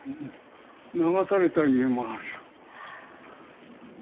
流された家もある。